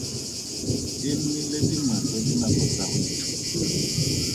E nnile dingwe tsa dinako tsa go ithuta.